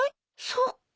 そっか。